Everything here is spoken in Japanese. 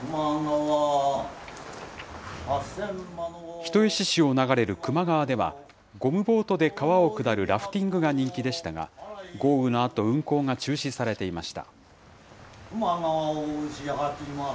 人吉市を流れる球磨川では、ゴムボートで川を下るラフティングが人気でしたが、豪雨のあと運航が中止されていました。